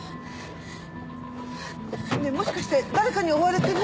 ねえもしかして誰かに追われてる？